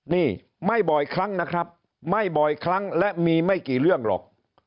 นี่ไม่บ่อยครั้งนะครับไม่บ่อยครั้งและมีไม่กี่เรื่องหรอก